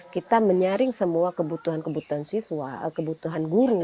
kita menyaring semua kebutuhan kebutuhan guru